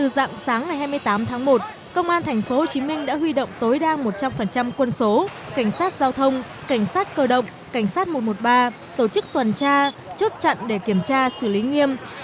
dạng sáng ngày hai mươi tám tháng một công an tp hcm đã huy động tối đa một trăm linh quân số cảnh sát giao thông cảnh sát cơ động cảnh sát một trăm một mươi ba tổ chức tuần tra chốt chặn để kiểm tra xử lý nghiêm